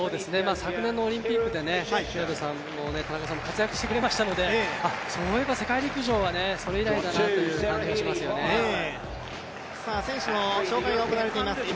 昨年のオリンピックで卜部さんも活躍してくれましたのでそういえば世界陸上はそれ以来だなという感じがしますね。